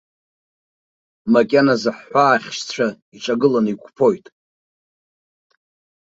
Макьаназы ҳҳәаахьшьцәа иҿагыланы иқәԥоит.